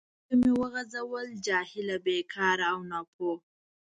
خبره مې وغځول: جاهله، بیکاره او ناپوه.